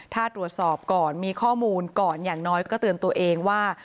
ถ้าตรวจสอบก่อนมีข้อมูลก่อนอย่างน้อยก็เตือนตัวเองว่า